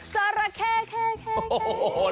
กระแคแคแค